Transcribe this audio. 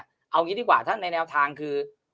เอาอย่างนี้ดีกว่าในแนวทางคือ